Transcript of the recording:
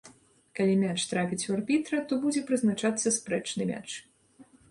Калі мяч трапіць у арбітра, то будзе прызначацца спрэчны мяч.